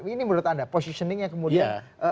ini menurut anda positioningnya kemudian